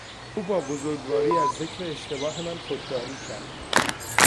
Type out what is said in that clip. او با بزرگواری از ذکر اشتباه من خودداری کرد.